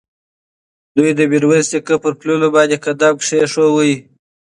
دوی د میرویس نیکه پر پلونو باندې قدم کېښود.